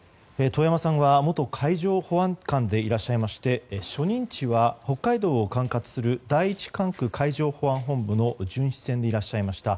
遠山さんは元海上保安官でいらっしゃいまして初任地は北海道を管轄する第１管区海上保安本部の巡視船でいらっしゃいました。